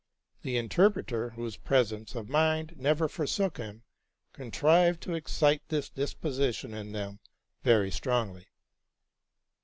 The inter preter, whose presence of mind never forsook him, contrived to excite this disposition in them very strongly.